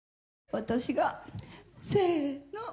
私がせの！